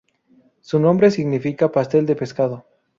Su nombre significa pastel de pescado""'.